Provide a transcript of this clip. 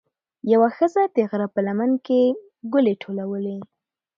یوه ښځه د غره په لمن کې ګلې ټولولې.